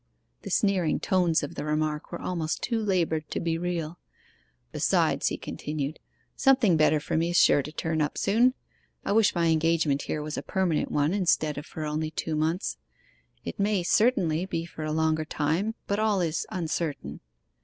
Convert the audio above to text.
The sneering tones of the remark were almost too laboured to be real. 'Besides,' he continued, 'something better for me is sure to turn up soon. I wish my engagement here was a permanent one instead of for only two months. It may, certainly, be for a longer time, but all is uncertain.